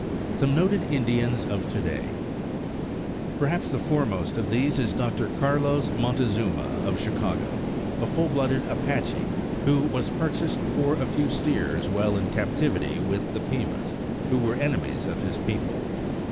SOME NOTED INDIANS OF TO DAY Perhaps the foremost of these is Dr. Carlos Montezuma of Chicago, a full blooded Apache, who was purchased for a few steers while in captivity to the Pimas, who were enemies of his people.